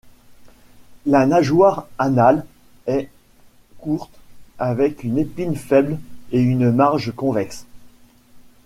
La nageoire anale est courte avec une épine faible et une marge convexe.